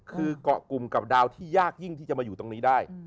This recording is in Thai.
คือเกาะกลุ่มกับดาวที่ยากยิ่งที่จะมาอยู่ตรงนี้ได้